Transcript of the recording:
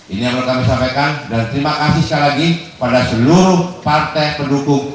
ini yang perlu kami sampaikan dan terima kasih sekali lagi pada seluruh partai pendukung